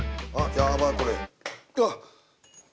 やばいよこれ。